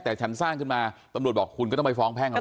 แต่แม่แต่ฉันสร้างขึ้นมาตำรวจบอกคุณก็ต้องไปฟ้องแพงแล้ว